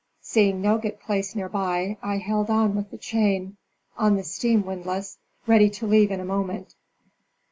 Seeing no good place near by, I held on with the chain on the steam windlass, ready to leave in a moment.